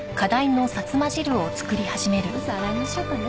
まず洗いましょうかね。